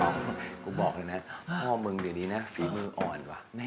กูบอกเลยนะพ่อมึงเดี๋ยวนี้นะฝีมืออ่อนว่ะ